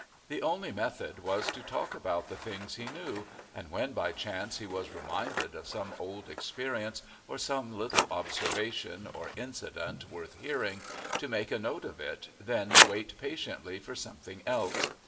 The only method was to talk about the things he knew, and when by chance he was reminded of some old experience or some little observation or incident worth hearing, to make a note of it, then wait patiently for something else.